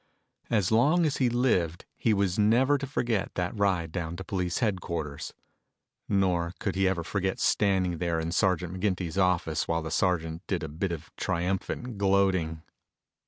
As long as he lived he was never to forget that ride down to police headquarters. Nor could he ever forget standing there in Sergeant McGinty's office while the sergeant did a bit of triumphant gloating.